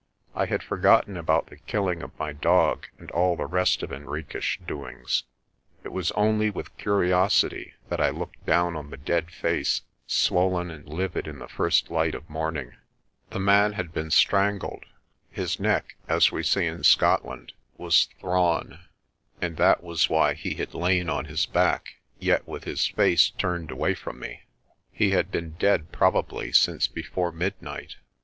I had forgotten about the killing of my dog and all the rest of Henriques' doings. It was only with curiosity that I looked down on the dead face, swollen and livid in the first light of morning. The man had been strangled. His neck, as we say in Scotland, was "thrawn," and that was why he had lain on LAST SIGHT OF LAPUTA 235 his back yet with his face turned away from me. He had been dead probably since before midnight.